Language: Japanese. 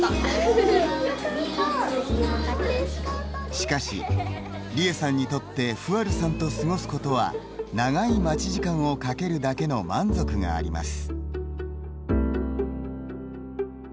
しかしリエさんにとってふわるさんと過ごすことは長い待ち時間をかけるだけの満足があります。